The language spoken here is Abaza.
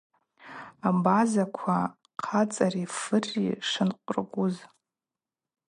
Абазаква хъацӏари фырри шынкъвыргуз.